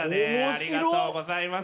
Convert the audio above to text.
ありがとうございます。